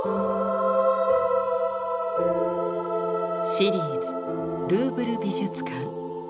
「シリーズルーブル美術館」。